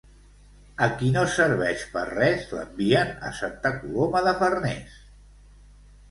A qui no serveix per res, l'envien a Santa Coloma de Farners.